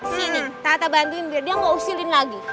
sini tata bantuin biar dia gak usilin lagi